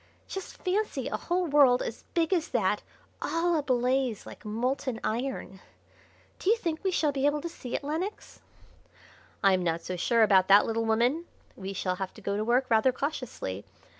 Just fancy a whole world as big as that all ablaze like molten iron! Do you think we shall be able to see it, Lenox?" "I'm not so sure about that, little woman. We shall have to go to work rather cautiously.